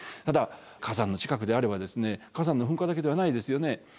ただ火山の近くであれば火山の噴火だけではないですよね。